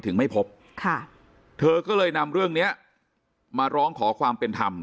ไม่พบค่ะเธอก็เลยนำเรื่องนี้มาร้องขอความเป็นธรรม